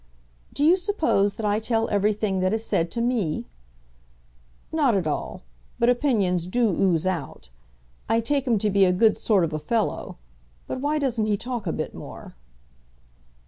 "Do you suppose that I tell everything that is said to me?" "Not at all; but opinions do ooze out. I take him to be a good sort of a fellow; but why doesn't he talk a bit more?"